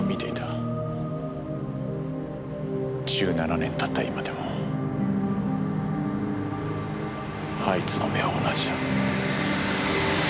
１７年たった今でもあいつの目は同じだ。